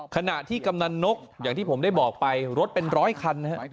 ขณะที่กำนันนกอย่างที่ผมได้บอกไปรถเป็นร้อยคันนะครับ